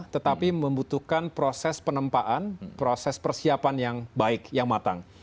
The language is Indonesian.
tetapi membutuhkan proses penempaan proses persiapan yang baik yang matang